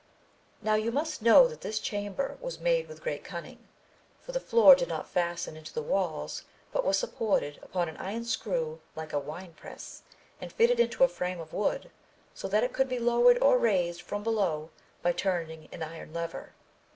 Now you must know that this chamber was made with great cunning, for the floor did not fasten into the walls but was supported upon an iron screw like a wine press, and fitted into a frame of wood, so that it could be lowered or raised from below by turning an iron lever.